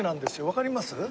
わかります？